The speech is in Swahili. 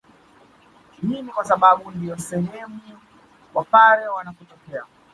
Hii ni kwasababu ndiyo sehem wapare wanakotokea